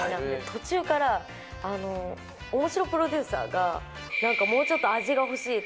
途中から、おもしろプロデューサーが、なんかもうちょっと味が欲しいって。